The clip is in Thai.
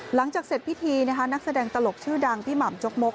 หลังจากเสร็จพิธีนะคะนักแสดงตลกชื่อดังพี่หม่ำจกมก